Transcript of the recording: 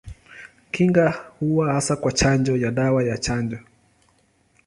Kinga huwa hasa kwa chanjo ya dawa ya chanjo.